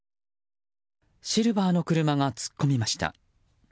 シルバーの車が突っ込みました。